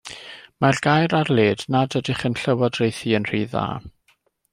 Mae'r gair ar led nad ydych yn llywodraethu yn rhy dda.